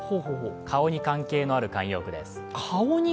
顔に関係のある慣用句です。